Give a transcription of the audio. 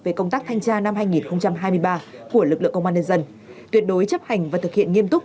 về công tác thanh tra năm hai nghìn hai mươi ba của lực lượng công an nhân dân tuyệt đối chấp hành và thực hiện nghiêm túc